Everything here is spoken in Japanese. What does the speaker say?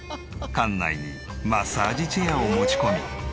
館内にマッサージチェアを持ち込み。